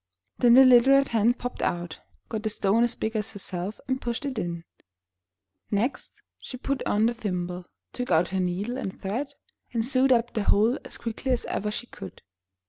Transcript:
Then the little Red Hen popped out, got a stone as big as herself, and pushed it in. Next she put on 218 IN THE NURSERY her thimble, took out her needle and thread, and sewed up the hole as quickly as ever she could.